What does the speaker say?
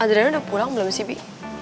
adrena udah pulang belom si bi